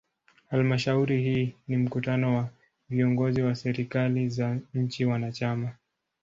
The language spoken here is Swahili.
Halmashauri hii ni mkutano wa viongozi wa serikali za nchi wanachama.